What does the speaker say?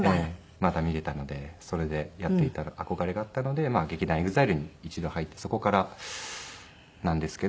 まだ見れたのでそれでやっていた憧れがあったので劇団ＥＸＩＬＥに一度入ってそこからなんですけど。